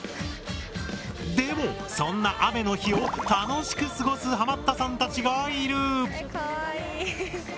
でもそんな雨の日を楽しく過ごすハマったさんたちがいる！